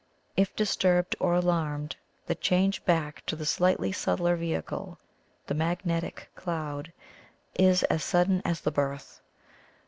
If disturbed or alarmed the change back to the slightly subtler vehicle, the magnetic cloud, is as sud den as the birth.